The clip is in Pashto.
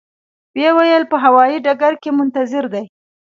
و یې ویل په هوایي ډګر کې منتظر دي.